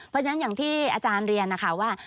เพราะฉะนั้นอย่างที่อาจารย์เรียนนะคะว่า